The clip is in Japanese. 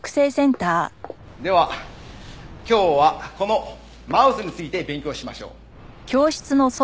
では今日はこのマウスについて勉強しましょう。